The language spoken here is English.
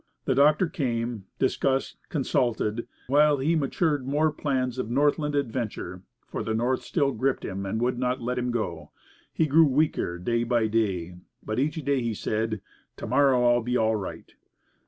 The doctors came, discussed, consulted, the while he matured more plans of Northland adventure; for the North still gripped him and would not let him go. He grew weaker day by day, but each day he said, "To morrow I'll be all right."